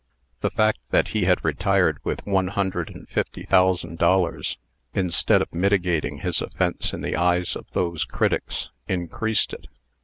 The fact that he had retired with one hundred and fifty thousand dollars, instead of mitigating his offence in the eyes of those critics, increased it.